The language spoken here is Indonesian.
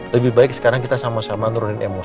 lebih baik sekarang kita sama sama nurunin emosi